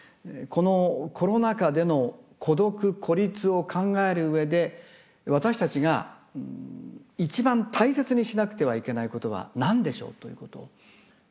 このコロナ禍での孤独・孤立を考える上で私たちが一番大切にしなくてはいけないことは何でしょうということを。